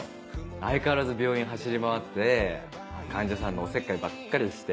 相変わらず病院走り回って患者さんのおせっかいばっかりして。